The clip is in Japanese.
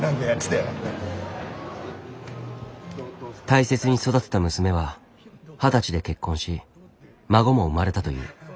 大切に育てた娘は二十歳で結婚し孫も生まれたという。